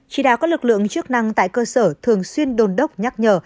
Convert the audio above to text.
chỉ đạo các lực lượng chức năng tại cơ sở thường xuyên đồn đốc nhắc nhở